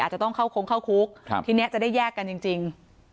จะต้องเข้าโค้งเข้าคุกทีนี้จะได้แยกกันจริง